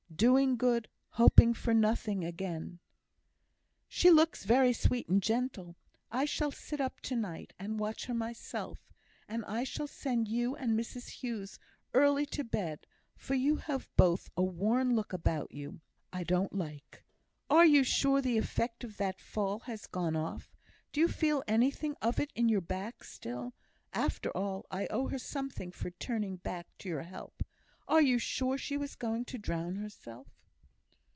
'Doing good, hoping for nothing again.'" "She looks very sweet and gentle. I shall sit up to night and watch her myself; and I shall send you and Mrs Hughes early to bed, for you have both a worn look about you I don't like. Are you sure the effect of that fall has gone off? Do you feel anything of it in your back still? After all, I owe her something for turning back to your help. Are you sure she was going to drown herself?"